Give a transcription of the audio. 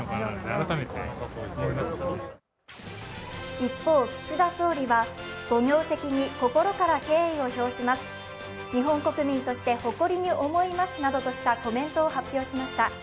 一方、岸田総理は、御業績に心から敬意を表します、日本国民として誇りに思いますなどのコメントを発表しました。